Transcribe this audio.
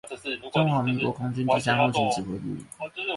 中華民國空軍第三後勤指揮部